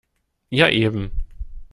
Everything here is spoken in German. Ja, eben.